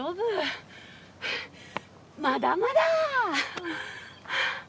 まだまだ。